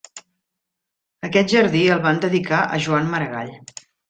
Aquest jardí el van dedicar a Joan Maragall.